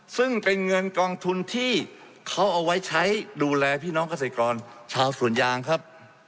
ซึ่งเป็นเงินกองทุนที่เขาเอาไว้ใช้ดูแลพี่น้องเกษตรกรชาวสวนยางครับ